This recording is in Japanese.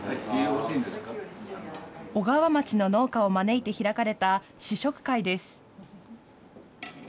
小川町の農家を招いて開かれた試食会です。